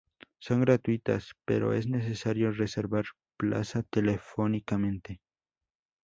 Son gratuitas pero es necesario reservar plaza telefónicamente.